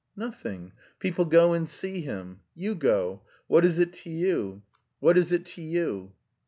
"Nothing. People go and see him. You go. What is it to you? What is it to you?"